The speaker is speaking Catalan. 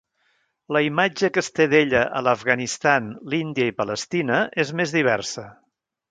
La imatge que es té d'ella a l'Afganistan, l'Índia i Palestina, és més diversa.